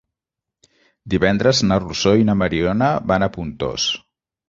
Divendres na Rosó i na Mariona van a Pontós.